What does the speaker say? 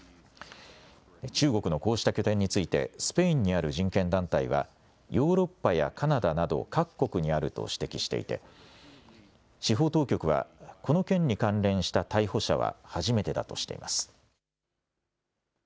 中国のこうした拠点について、スペインにある人権団体は、ヨーロッパやカナダなど各国にあると指摘していて、司法当局はこの件に関連した逮捕者は初めてだとしています。